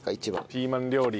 ピーマン料理。